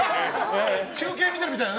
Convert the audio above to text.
中継見てるみたいな。